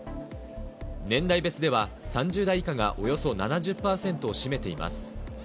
年代別では、３０代以下がおよそ７０％を占めています。